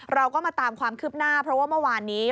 เราก็มาตามความคืบหน้าเพราะว่าเมื่อวานนี้